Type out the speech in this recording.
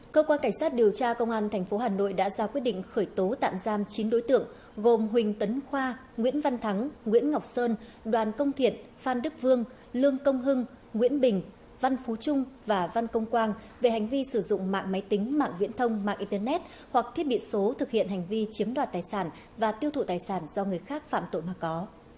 cơ quan cảnh sát điều tra công an tp hà nội đã ra quyết định khởi tố tạm giam chín đối tượng gồm huỳnh tấn khoa nguyễn văn thắng nguyễn ngọc sơn đoàn công thiện phan đức vương lương công hưng nguyễn bình văn phú trung và văn công quang về hành vi sử dụng mạng máy tính mạng viễn thông mạng internet hoặc thiết bị số thực hiện hành vi chiếm đoạt tài sản và tiêu thụ tài sản do người khác phạm tội mà có